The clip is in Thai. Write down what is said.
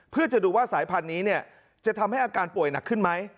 เพื่อจะดูว่าสายพันธุ์นี้จะทำให้อาการป่วยหนักขึ้นไหม